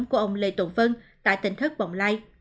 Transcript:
của ông lê tùng vân tại tỉnh thất bọng lây